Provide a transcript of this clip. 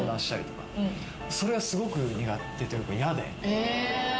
それがすごく苦手というか嫌で。